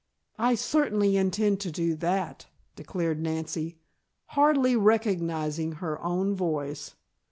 "I certainly intend to do that," declared Nancy, hardly recognizing her own voice.